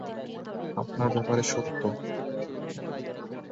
আপনার ব্যাপারে সত্য।